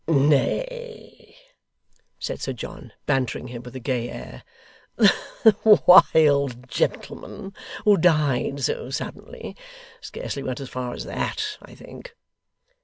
'Nay,' said Sir John, bantering him with a gay air; 'the wild gentleman, who died so suddenly, scarcely went as far as that, I think?